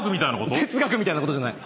哲学みたいなことじゃない。